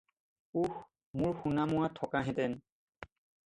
উস্ মোৰ সোণামুৱা থকাহেঁতেন!